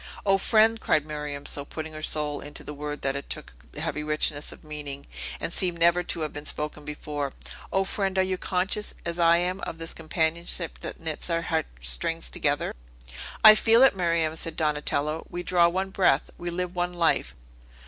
"O friend!" cried Miriam, so putting her soul into the word that it took a heavy richness of meaning, and seemed never to have been spoken before, "O friend, are you conscious, as I am, of this companionship that knits our heart strings together?" "I feel it, Miriam," said Donatello. "We draw one breath; we live one life!"